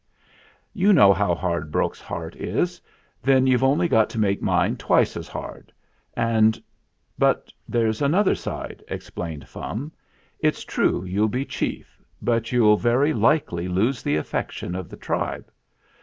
"You know how hard Brok's heart is; then you've only got to make mine twice as hard and " "But there's another side," explained Fum. "It's true you'll be chief, but you'll very likely lose the affection of the tribe.